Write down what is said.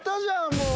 もう。